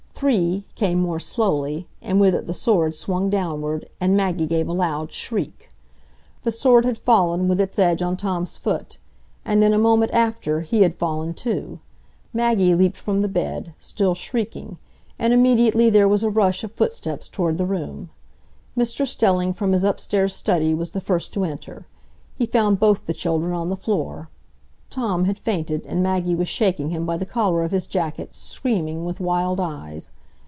"Three" came more slowly, and with it the sword swung downward, and Maggie gave a loud shriek. The sword had fallen, with its edge on Tom's foot, and in a moment after he had fallen too. Maggie leaped from the bed, still shrieking, and immediately there was a rush of footsteps toward the room. Mr Stelling, from his upstairs study, was the first to enter. He found both the children on the floor. Tom had fainted, and Maggie was shaking him by the collar of his jacket, screaming, with wild eyes.